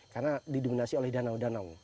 karena didominasi oleh danau danau